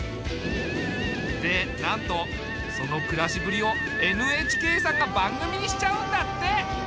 でなんとその暮らしぶりをＮＨＫさんが番組にしちゃうんだって。